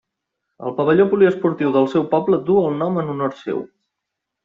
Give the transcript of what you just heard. El pavelló poliesportiu del seu poble duu el nom en honor seu.